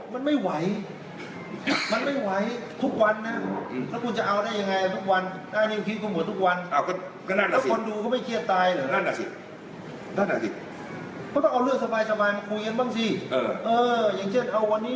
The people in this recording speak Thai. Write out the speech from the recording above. มันไม่ไหวมันไม่ไหวทุกวันน่ะ